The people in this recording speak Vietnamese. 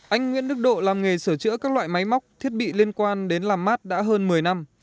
anh nguyễn đức độ làm nghề sửa chữa các loại máy móc thiết bị liên quan đến làm mát đã hơn một mươi năm